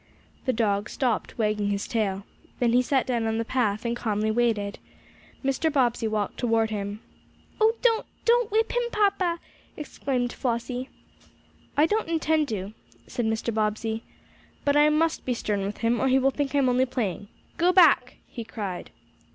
The dog stopped wagging his tail. Then he sat down on the path, and calmly waited. Mr. Bobbsey walked toward him. "Oh, don't don't whip him, papa!" exclaimed Flossie. "I don't intend to," said Mr. Bobbsey. "But I must be stern with him or he will think I'm only playing. Go back!" he cried.